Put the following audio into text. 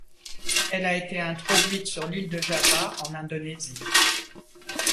Elle a été introduite sur l'île de Java en Indonésie.